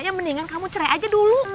hanya mendingan kamu cerai aja dulu